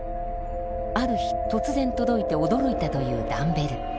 ある日突然届いて驚いたというダンベル。